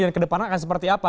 dan ke depannya akan seperti apa